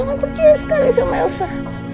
sangat percaya sekali sama elsa